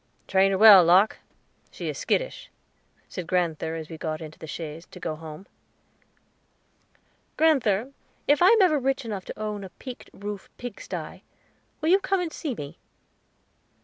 "Train her well, Locke; she is skittish," said grand'ther as we got into the chaise to go home. "Grand'ther, if I am ever rich enough to own a peaked roof pig sty, will you come and see me?"